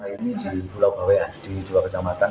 ini di pulau bawean di dua kecamatan